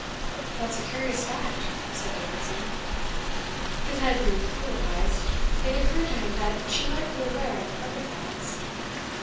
"That's a curious fact," said Davidson. His head being full of Heyst, it occurred to him that she might be aware of other facts.